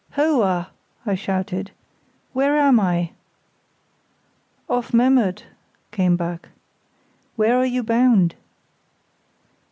"Ho a," I shouted, "where am I?" "Off Memmert," came back. "Where are you bound?"